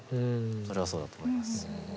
それはそうだと思います。